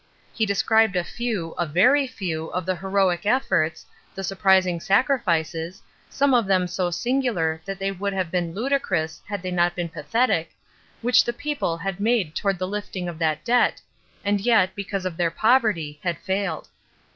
He described a few, a very few, of the heroic efforts, the surprising sacrifices, some of them so singular that they would have been ludicrous had they not been pathetic, which the people had made toward the lifting of that debt, and yet, because of their poverty, had failed.